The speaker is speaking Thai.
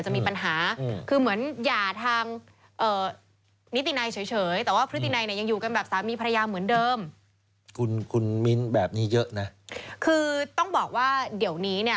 มีแบบนี้เยอะนะคือต้องบอกว่าเดี๋ยวนี้เนี่ย